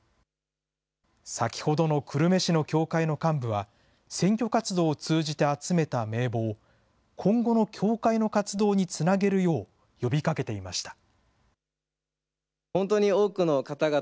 先ほどの久留米市の教会の幹部は、選挙活動を通じて集めた名簿を、今後の教会の活動につなげるよう呼びかけていました。